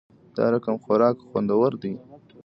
دا رقمخوراک خوندور وی